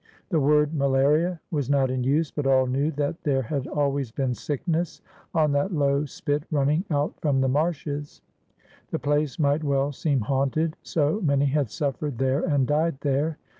The word malaria was not in use, but all knew that there had always been sickness on that low ALEXANDER SPOTSWOOD 813 spit nmning out from the maxshes. The place might well seem hamited, so many had suffered there and died there.